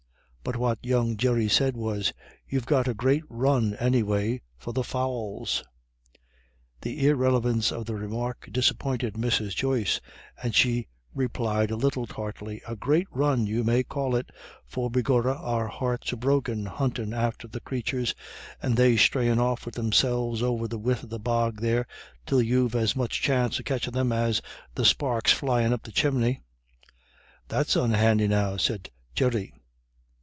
But what young Jerry said was, "You've got a great run, anyway, for the fowls." The irrelevance of the remark disappointed Mrs. Joyce, and she replied a little tartly: "A great run you may call it, for begorrah our hearts is broke huntin' after the crathurs, and they strayin' off wid themselves over the width of the bog there, till you've as much chance of catchin' them as the sparks flyin' up the chimney." "That's unhandy, now," said Jerry.